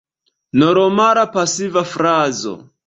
Normala pasiva frazo.